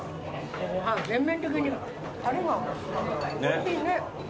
全面的にタレがおいしい。